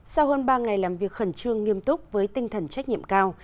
sau hơn ba ngày làm việc khẩn trương nghiêm túc với tinh thần trách nhiệm cao